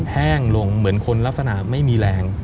แห้งลงเหมือนคนลักษณะไม่มีแรง